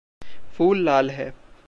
फूल लाल है।